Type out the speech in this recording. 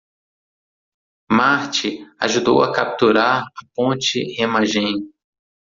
Marty ajudou a capturar a ponte Remagen.